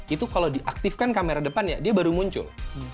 itu kalau diaktifkan kamera depannya dia baru muncul